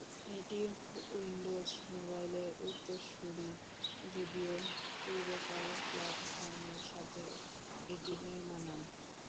এটি উইন্ডোজ মোবাইলের উত্তরসূরি, যদিও পূর্বেকার প্ল্যাটফর্মের সাথে এটি বেমানান।